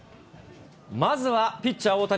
まずはピッチャー大谷。